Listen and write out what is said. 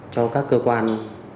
cho các cơ quan